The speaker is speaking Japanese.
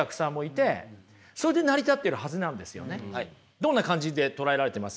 どんな感じで捉えられてます？